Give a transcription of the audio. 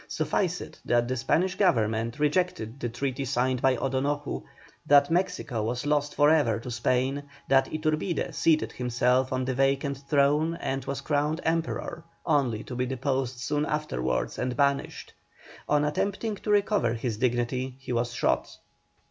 Suffice it that the Spanish Government rejected the treaty signed by O'Donoju; that Mexico was lost for ever to Spain; that Iturbide seated himself on the vacant throne and was crowned Emperor, only to be deposed soon afterwards and banished. On attempting to recover his dignity he was shot.